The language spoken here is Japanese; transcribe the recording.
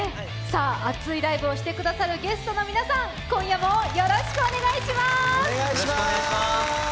熱いライブをしてくださるゲストの皆さん、今夜もよろしくお願いします。